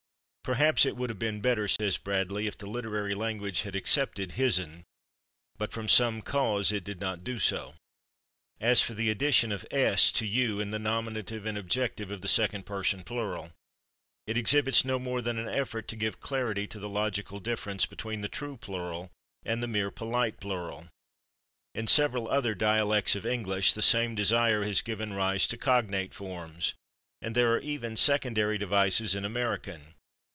"Perhaps it would have been better," says Bradley, "if the literary language had accepted /hisn/, but from some cause it did not do so." As for the addition of /s/ to /you/ in the nominative and objective of the second person plural, it exhibits no more than an effort to give clarity to the logical difference between the true plural and the mere polite plural. In several other dialects of [Pg215] English the same desire has given rise to cognate forms, and there are even secondary devices in American.